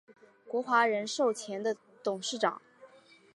国华人寿前董事长。